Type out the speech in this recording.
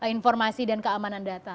informasi dan keamanan data